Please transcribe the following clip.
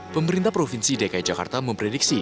pemerintah provinsi dki jakarta memprediksi